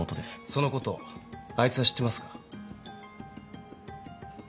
そのことあいつは知ってますか？